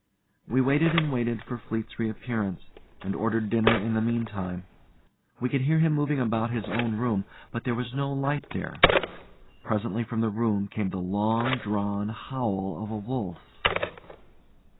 We waited and waited for Fleete's reappearance, and ordered dinner in the meantime. We could hear him moving about his own room, but there was no light there. Presently from the room came the long drawn howl of a wolf.